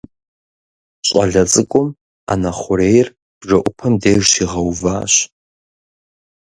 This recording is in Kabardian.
Щӏалэ цӏыкӏум ӏэнэ хъурейр бжэӏупэм деж щигъэуващ.